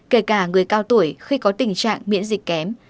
kể cả người cao tuổi khi có tình trạng miễn dịch kém